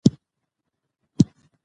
موږ بايد خپل تاريخ په رښتيني ډول ولېکو.